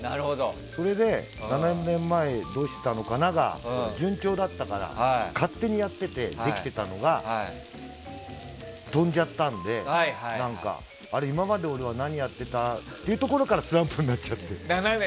それで、７年前どうしてたのかなが順調だったから勝手にやってて、できてたのが飛んじゃったので今まで俺は何をやってた？っていうところからスランプになっちゃって。